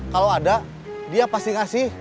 kalau ada dia pasti kasih